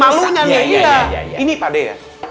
malunya iya ini pada